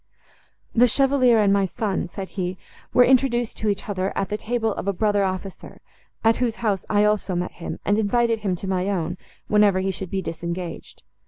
"The Chevalier and my son," said he, "were introduced to each other, at the table of a brother officer, at whose house I also met him, and invited him to my own, whenever he should be disengaged.